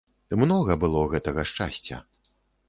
Многа было гэтага шчасця.